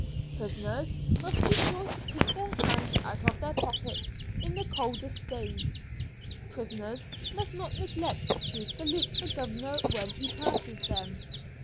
"Prisoners must be sure to keep their hands out of their pockets in the coldest days." "Prisoners must not neglect to salute the governor when he passes them."